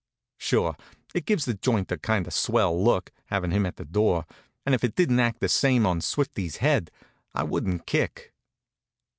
Sure, it gives the joint kind of a swell look, havin' him on the door, and if it didn't act the same on Swifty's head I wouldn't kick.